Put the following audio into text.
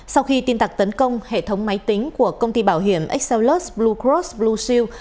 sau khi tin tặc tấn công hệ thống máy tính của công ty bảo hiểm excellus blue cross blue shield